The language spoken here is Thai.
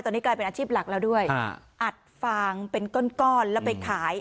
ตอนนี้กลายเป็นอาชีพหลักแล้วด้วยอัดฟางเป็นก้อนแล้วไปขาย